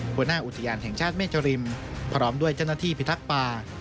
หัวหน้าอุทยานแห่งชาติแม่จริมพร้อมด้วยเจ้าหน้าที่พิทักษ์ป่า